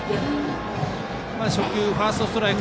初球ファーストストライク